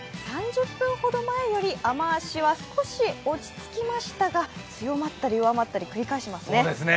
３０分ほど前より雨足は少し落ち着きましたが強まったり弱まったりを繰り返していますね。